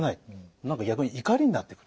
何か逆に怒りになってくる。